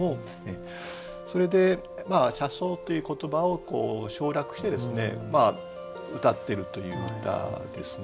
それで「車窓」という言葉を省略してうたってるという歌ですね。